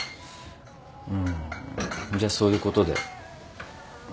うんじゃあそういうことで。